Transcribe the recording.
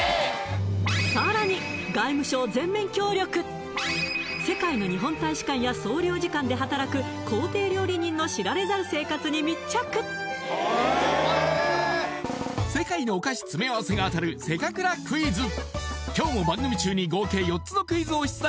さらに世界の日本大使館や総領事館で働く公邸料理人の知られざる生活に密着えっ世界のお菓子詰め合わせが当たるせかくらクイズ